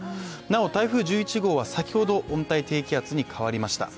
なお台風１１号は先ほど温帯低気圧に変わりました。